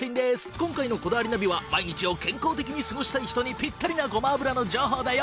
今回の『こだわりナビ』は毎日を健康的に過ごしたい人にピッタリなごま油の情報だよ。